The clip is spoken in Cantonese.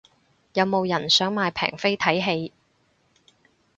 有冇人想買平飛睇戲